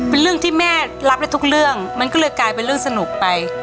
เป็นเรื่องที่แม่รับได้ทุกเรื่องมันก็เลยกลายเป็นเรื่องสนุกไป